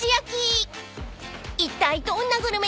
［いったいどんなグルメなのか］